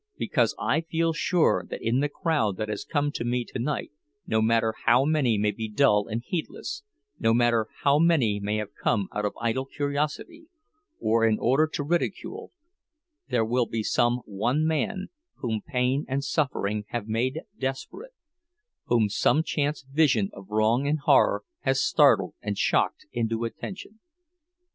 Because I feel sure that in the crowd that has come to me tonight, no matter how many may be dull and heedless, no matter how many may have come out of idle curiosity, or in order to ridicule—there will be some one man whom pain and suffering have made desperate, whom some chance vision of wrong and horror has startled and shocked into attention.